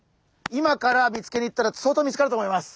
今から見つけに行ったらそうとう見つかると思います。